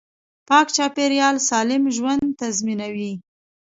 پاک چاپیریال سالم ژوند تضمینوي